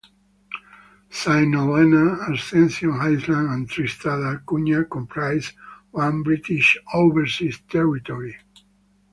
Saint Helena, Ascension Island and Tristan da Cunha comprise one British Overseas Territory.